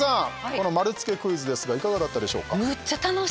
この丸つけクイズですがいかがだったでしょうか？